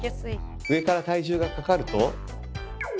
上から体重がかかると。